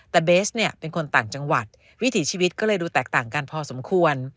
แต่เบสเนี่ยเป็นคนต่างจังหวัดวิถีชีวิตก็เลยดูแตกต่างกันพอสมควร